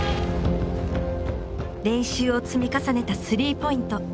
練習を積み重ねた３ポイント。